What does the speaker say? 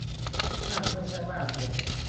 นั่นไม่ใช่บ้านเธอ